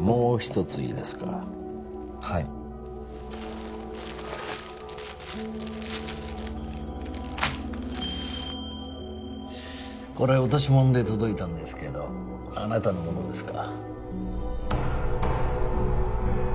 もう一ついいですかはいこれ落とし物で届いたんですけどあなたのものですか？